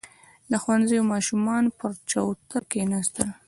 • د ښوونځي ماشومان پر چوتره کښېناستل.